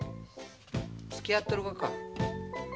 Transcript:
つきあっとるがか？